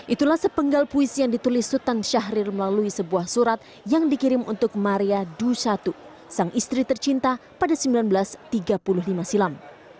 itulah sepenggal puisi yang ditulis sultan syahrir melalui sebuah surat yang dikirim untuk maria dusatu sang istri tercinta pada seribu sembilan ratus tiga puluh lima silam